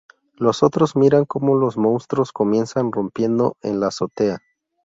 Los otros miran como los monstruos comienzan rompiendo en la azotea.